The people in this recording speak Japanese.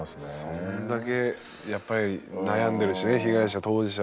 そんだけやっぱり悩んでるしね被害者当事者は。